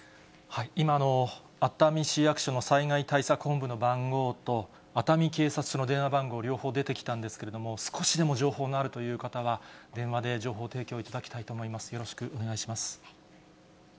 今の熱海市役所の災害対策本部の番号と、熱海警察署の電話番号、両方出てきたんですけれども、少しでも情報があるという方は、電話で情報提供いただきたいと思います。